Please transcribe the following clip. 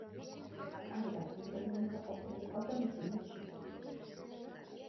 კარი ასაწევი უნდა ყოფილიყო და მძიმედ შეჭედილი.